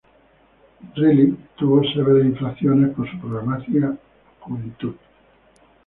Reilly tuvo severas infracciones por su problemática juventud.